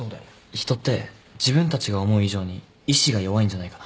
人って自分たちが思う以上に意思が弱いんじゃないかな。